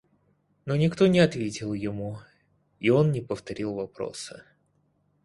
Но никто не ответил ему, и он не повторил вопроса.